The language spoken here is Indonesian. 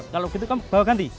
kalau gitu kan bawa ganti